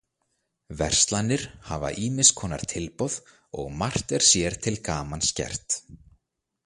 Verslanir hafa ýmiss konar tilboð og margt er sér til gamans gert.